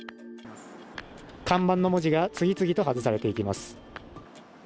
看板の文字が次々と外されていきます。